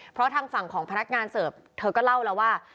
เพราะทางฝั่งของพนักงานเสิร์ฟเธอก็เล่าแล้วว่า